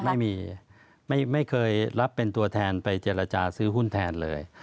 ไม่เคยรับเป็นตัวแทนไปเจรจาซื้อหุ้นแทนเลย